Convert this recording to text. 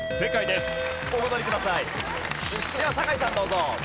では酒井さんどうぞ。